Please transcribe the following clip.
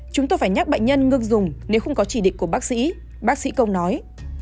chúng tôi phải nhắc bệnh nhân ngưng dùng nếu không có chỉ định của bác sĩ bác sĩ công nói